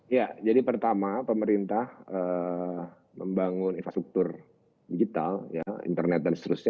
ya jadi pertama pemerintah membangun infrastruktur digital internet dan seterusnya